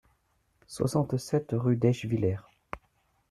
soixante-sept rue d'Eschviller